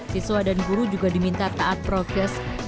siswa dan guru juga diminta taat prokes